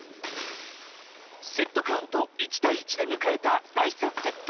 セットカウント１対１で迎えた第３セット。